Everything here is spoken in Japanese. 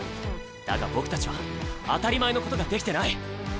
だが僕たちは当たり前のことができてない。